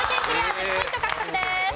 １０ポイント獲得です。